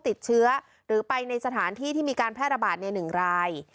ติดเชื้อหรือไปในสถานที่ที่มีการแพร่ระบาดใน๑ราย